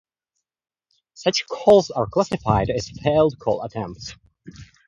Such calls are classified as failed call attempts.